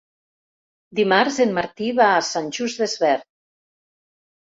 Dimarts en Martí va a Sant Just Desvern.